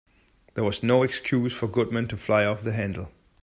There was no excuse for Goodman to fly off the handle.